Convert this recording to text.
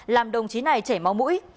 làm đồng chí này chảy máu mũi